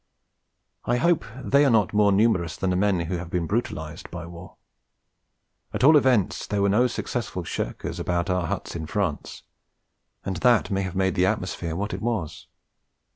I hope they are not more numerous than the men who have been 'brutalised' by war. At all events there were no successful shirkers about our huts in France; and that may have made the atmosphere what it was.